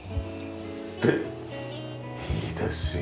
でいいですよ。